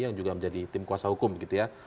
yang juga menjadi tim kuasa hukum begitu ya